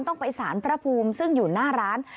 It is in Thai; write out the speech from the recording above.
ต้องไปสารพระภูมิซึ่งอยู่หน้าร้าน